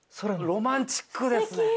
ロマンチックですね。